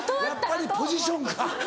やっぱりポジションか。